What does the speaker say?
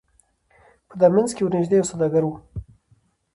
په دامنځ کي ورنیژدې یو سوداګر سو